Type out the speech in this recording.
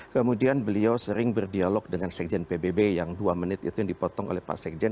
kemudian beliau sering berdialog dengan sekjen pbb yang dua menit itu yang dipotong oleh pak sekjen